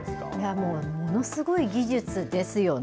もうものすごい技術ですよね。